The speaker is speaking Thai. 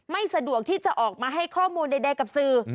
สะดวกที่จะออกมาให้ข้อมูลใดกับสื่อ